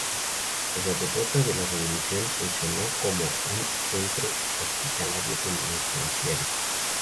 Tras la derrota de la revolución funcionó como un centro hospitalario penitenciario.